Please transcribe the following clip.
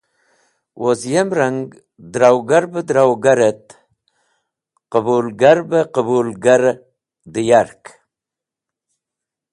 Woz yem rang, darawgar be darawgar et qũlbagar be qũlbagar dẽ yark.